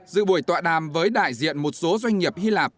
dự buổi tọa đàm với đại diện một số doanh nghiệp hy lạp